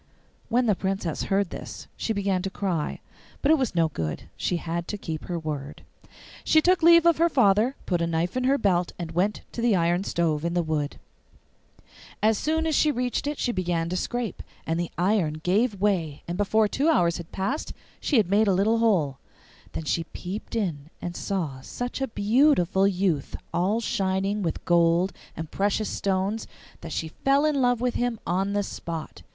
When the Princess heard this she began to cry, but it was no good; she had to keep her word. She took leave of her father, put a knife in her belt, and went to the iron stove in the wood. As soon as she reached it she began to scrape, and the iron gave way and before two hours had passed she had made a little hole. Then she peeped in and saw such a beautiful youth all shining with gold and precious stones that she fell in love with him on the spot.